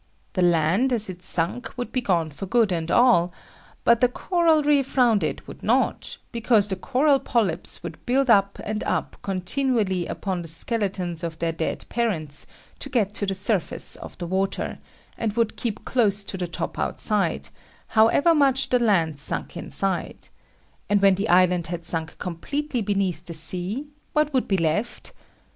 The land, as it sunk, would be gone for good and all: but the coral reef round it would not, because the coral polypes would build up and up continually upon the skeletons of their dead parents, to get to the surface of the water, and would keep close to the top outside, however much the land sunk inside; and when the island had sunk completely beneath the sea, what would be left?